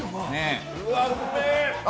うわ、うめー！